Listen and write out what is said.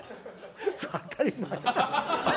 当たり前や。